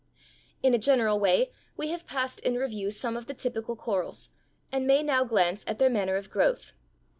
] In a general way we have passed in review some of the typical corals, and may now glance at their manner of growth.